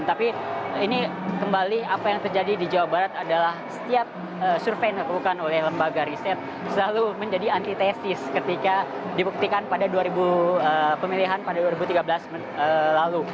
tapi ini kembali apa yang terjadi di jawa barat adalah setiap survei yang dilakukan oleh lembaga riset selalu menjadi antitesis ketika dibuktikan pada dua ribu pemilihan pada dua ribu tiga belas lalu